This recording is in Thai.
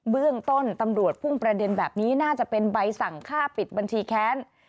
เบื้องต้นตำรวจพุ่งประเด็นแบบนี้น่าจะเป็นใบสั่งค่าปิดบัญชีแค้น